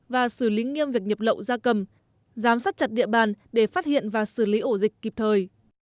và xử lý nghiêm việc nhập lậu gia cầm giám sát chặt địa bàn để phát hiện và xử lý ổ dịch kịp thời